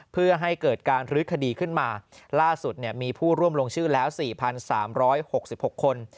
เพื่อให้เกิดการรื้อคดีขึ้นมาล่าสุดมีผู้ร่วมลงชื่อแล้ว๔๓๖๖คน